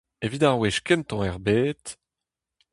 Evit ar wech kentañ er bed.